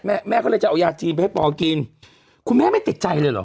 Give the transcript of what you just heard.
แม่แม่ก็เลยจะเอายาจีนไปให้ปอกินคุณแม่ไม่ติดใจเลยเหรอ